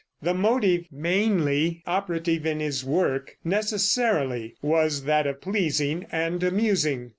The motive mainly operative in his work, necessarily, was that of pleasing and amusing.